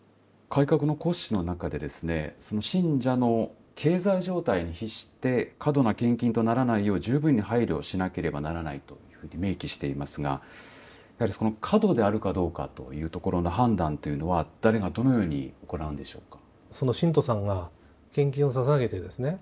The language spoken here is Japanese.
改革の骨子の中でですね信者の経済状態に比して過度な献金とならないよう十分に配慮しなければならないと明記していますがやはり、過度であるかどうかというところの判断というのは誰がどのように行うんでしょうか。